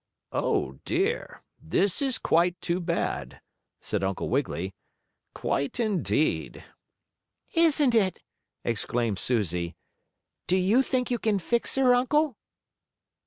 "Oh, dear! This is quite too bad!" said Uncle Wiggily. "Quite indeed." "Isn't it!" exclaimed Susie. "Do you think you can fix her, Uncle?"